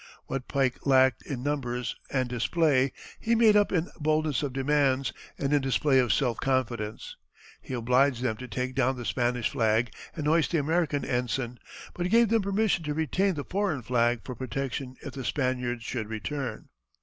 What Pike lacked in numbers and display, he made up in boldness of demands and in display of self confidence. He obliged them to take down the Spanish flag and hoist the American ensign, but gave them permission to retain the foreign flag for protection if the Spaniards should return.